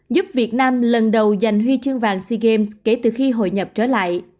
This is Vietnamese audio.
giúp việt nam lần đầu giành huy chương vàng sea games kể từ khi hội nhập trở lại